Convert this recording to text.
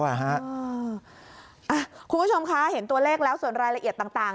คุณผู้ชมคะเห็นตัวเลขแล้วส่วนรายละเอียดต่าง